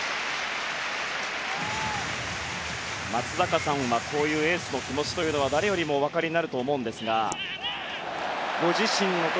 松坂さんはこういうエースの気持ちが誰よりもお分かりになると思いますがご自身の時